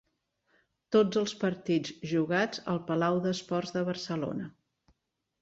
Tots els partits jugats al Palau d'Esports de Barcelona.